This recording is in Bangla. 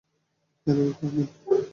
Hello, come in.